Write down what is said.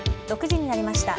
６時になりました。